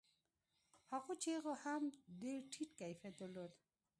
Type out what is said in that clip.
هغو چيغو هم ډېر ټيټ کيفيت درلود.